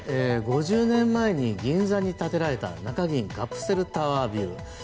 ５０年前に銀座に建てられた中銀カプセルタワービル。